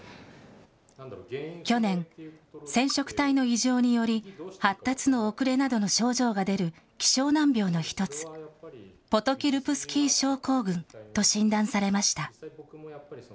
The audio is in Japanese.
去年、染色体の異常により、発達の遅れなどの症状が出る希少難病の一つ、ポトキ・ルプスキー症候群と診断されました。